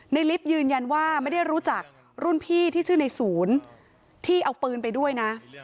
ลิฟต์ยืนยันว่าไม่ได้รู้จักรุ่นพี่ที่ชื่อในศูนย์ที่เอาปืนไปด้วยนะ